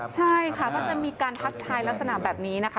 ใช่ค่ะก็จะมีการทักทายลักษณะแบบนี้นะคะ